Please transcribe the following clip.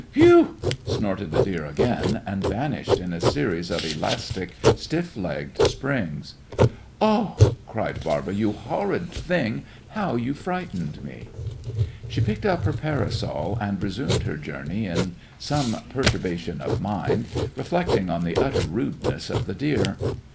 "Phew!" snorted the deer again, and vanished in a series of elastic stiff legged springs. "Oh!" cried Barbara. "You horrid thing! How you frightened me!" She picked up her parasol, and resumed her journey in some perturbation of mind, reflecting on the utter rudeness of the deer.